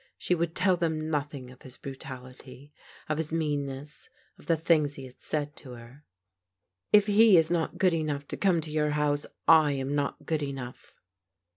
She would tell them nothing of his brutality, of his meanness, of the things he had said to her. " If he is not good enough to come to your house, / am not good enough."